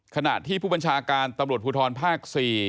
ขณะที่ผู้บัญชาการตำรวจภูทรภาค๔